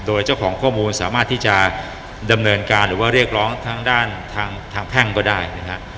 โดยเจ้าของข้อมูลสามารถที่จะดำเนินการหรือว่าเรียกร้องทางด้านทางแพ่งก็ได้นะฮะ